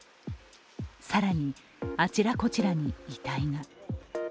更に、あちらこちらに遺体が。